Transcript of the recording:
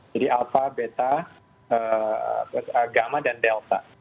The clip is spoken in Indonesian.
jadi alpha beta gamma dan delta